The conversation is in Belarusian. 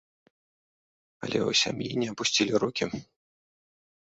Але ў сям'і не апусцілі рукі.